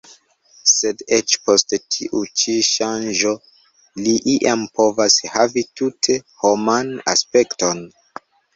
Sed eĉ post tiu ĉi ŝanĝo li iam povas havi tute homan aspekton.